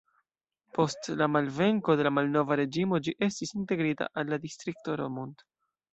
Post la malvenko de la malnova reĝimo ĝi estis integrita al la distrikto Romont.